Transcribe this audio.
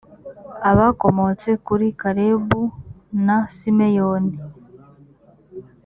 abakomotse kuri kalebu na simeyoni